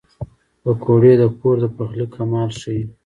پکورې د کور د پخلي کمال ښيي